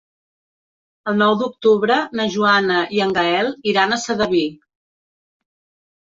El nou d'octubre na Joana i en Gaël iran a Sedaví.